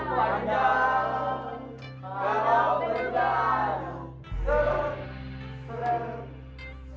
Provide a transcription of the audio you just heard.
malam malam begini pak